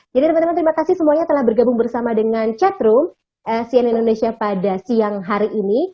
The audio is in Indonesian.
jadi teman teman terima kasih semuanya telah bergabung bersama dengan chatroom cn indonesia pada siang hari ini